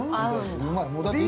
◆うまい。